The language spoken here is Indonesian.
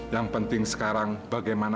yang penting sekarang bagaimana